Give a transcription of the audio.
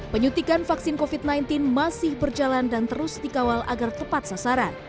penyuntikan vaksin covid sembilan belas masih berjalan dan terus dikawal agar tepat sasaran